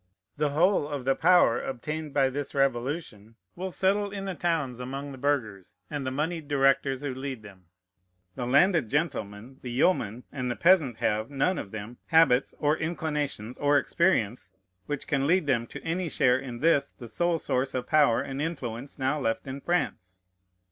The whole of the power obtained by this Revolution will settle in the towns among the burghers, and the moneyed directors who lead them. The landed gentleman, the yeoman, and the peasant have, none of them, habits or inclinations or experience which can lead them to any share in this the sole source of power and influence now left in France.